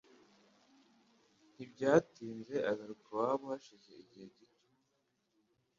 Ntibyatinze agaruka iwabo hashize igihe gito.